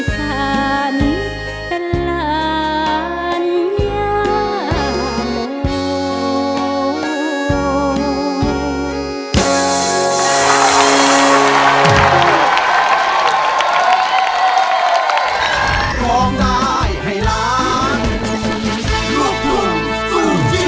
จะอยู่อีกสันกันหลานยาโม